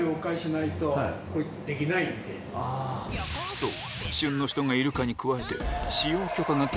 そう！